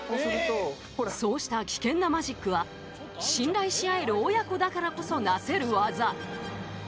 そうした危険なマジックは信頼しあえる親子だからこそ成せる業。